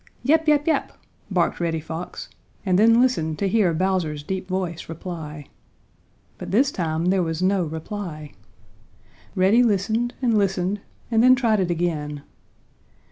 "Yap yap yap," barked Reddy Fox, and then listened to hear Bowser's deep voice reply. But this time there was no reply. Reddy listened, and listened, and then tried it again.